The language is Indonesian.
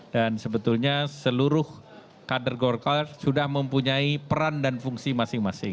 dan sebetulnya seluruh kader golkar sudah mempunyai peran dan fungsi masing masing